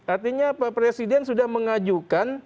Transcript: artinya presiden sudah mengajukan